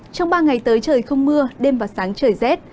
trong ba ngày tới trời không mưa đêm và sáng trời rét